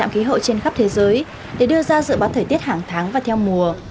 khí hậu trên khắp thế giới để đưa ra dự báo thời tiết hàng tháng và theo mùa